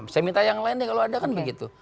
saya minta yang lain nih kalau ada kan begitu